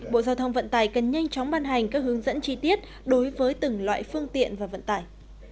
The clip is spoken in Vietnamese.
bộ giao thông vận tải cần nhanh chóng ban hành các hướng dẫn chi tiết đối với từng loại phương tiện và vận tải